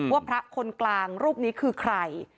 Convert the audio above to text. ว่าพระคนกลางรูปนี้คือใคร